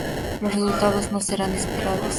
Los resultados no serán los esperados.